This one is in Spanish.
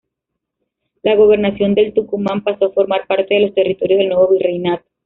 La Gobernación del Tucumán pasó a formar parte de los territorios del nuevo virreinato.